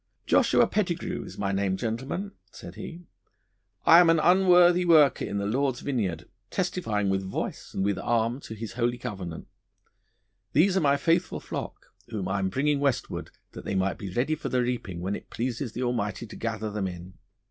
'Joshua Pettigrue is my name, gentlemen,' said he; 'I am an unworthy worker in the Lord's vineyard, testifying with voice and with arm to His holy covenant. These are my faithful flock, whom I am bringing westward that they may be ready for the reaping when it pleases the Almighty to gather them in.